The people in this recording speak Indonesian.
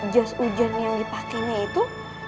jas hujan yang dipakainya itu